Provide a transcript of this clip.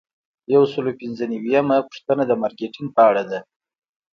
یو سل او پنځه نوي یمه پوښتنه د مارکیټینګ په اړه ده.